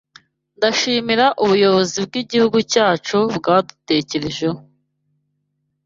Ndashimira ubuyobozi bw’Igihugu cyacu bwadutekerejeho